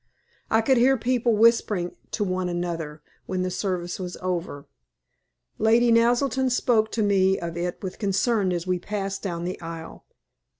I could hear people whispering to one another when the service was over. Lady Naselton spoke to me of it with concern as we passed down the aisle.